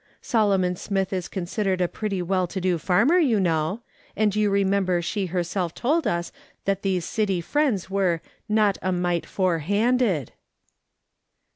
Solomon Smith is considered a pretty well to do farmer, you know ; and you re member she herself told us that these city friends were ' not a mite fore handed.'